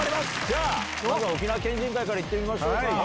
じゃあまずは沖縄県人会から行ってみましょうか。